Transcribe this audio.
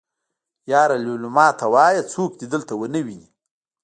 يره ليلما ته وايه څوک دې دلته ونه ويني.